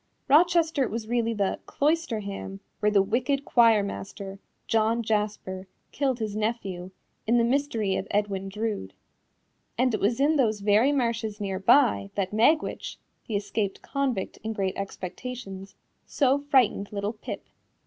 Rochester was really the "Cloisterham" where the wicked choir master, John Jasper, killed his nephew, in The Mystery of Edwin Drood. And it was in those very marshes near by, that Magwitch, the escaped convict in Great Expectations, so frightened little Pip.